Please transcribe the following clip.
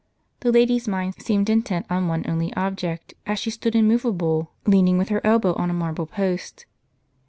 The lady's mind seemed intent on one only object, as she stood immovable, leaning with her elbow on a marble post.